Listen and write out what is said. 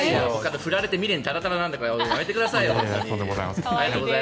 振られて未練たらたらなんだからやめてくださいよ。